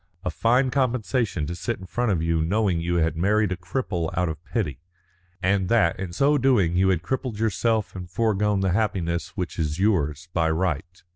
A fine compensation to sit in front of you knowing you had married a cripple out of pity, and that in so doing you had crippled yourself and foregone the happiness which is yours by right.